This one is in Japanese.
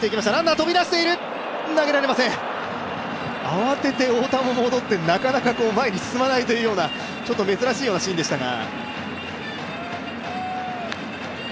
慌てて太田も戻ってなかなか前に進まないというようなちょっと珍しいようなシーンでしたが。